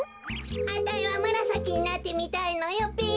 あたいはむらさきになってみたいのよべ。